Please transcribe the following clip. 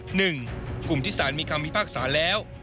หนึ่งกลุ่มที่สารมีคำพิพากษาแล้ว